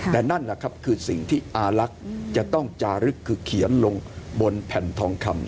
แต่นั่นแหละครับคือสิ่งที่อาลักษณ์จะต้องจารึกคือเขียนลงบนแผ่นทองคำ